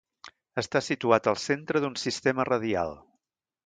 Està situat al centre d'un sistema radial.